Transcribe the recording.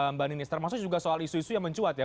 mbak ninis termasuk juga soal isu isu yang mencuat ya